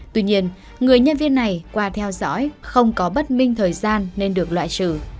tuy nhiên người nhân viên này qua theo dõi không có bất minh thời gian nên được loại trừ